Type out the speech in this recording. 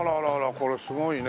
これすごいね。